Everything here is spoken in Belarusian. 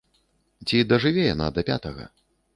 Ці дажыве яна да пятага?